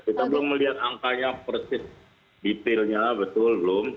kita belum melihat angkanya persis detailnya betul belum